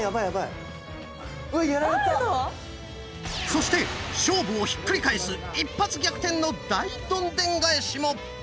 そして勝負をひっくり返す一発逆転の大どんでん返しも！